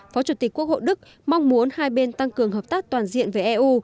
phó chủ tịch quốc hội đức mong muốn hai bên tăng cường hợp tác toàn diện với eu